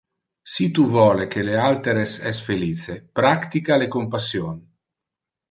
Si tu vole que le alteres es felice, practica le compassion.